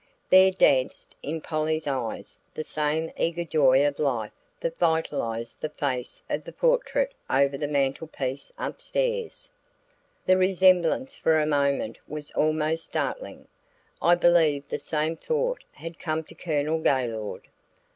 There danced in Polly's eyes the same eager joy of life that vitalized the face of the portrait over the mantelpiece upstairs. The resemblance for a moment was almost startling; I believe the same thought had come to Colonel Gaylord.